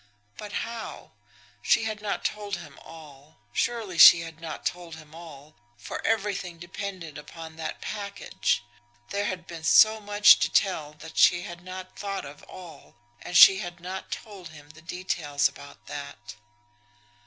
But how? She had not told him all surely she had not told him all, for everything depended upon that package. There had been so much to tell that she had not thought of all, and she had not told him the details about that.